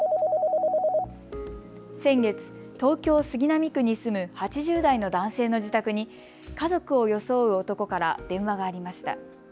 先月、東京杉並区に住む８０代の男性の自宅に家族を装う男から電話がありました。